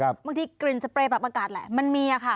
บางทีกลิ่นสเปรย์ปรับอากาศแหละมันมีค่ะ